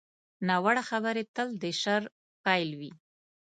ناوړه خبرې تل د شر پیل وي